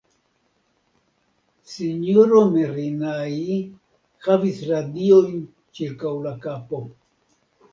S-ro Merinai havis radiojn ĉirkaŭ la kapo.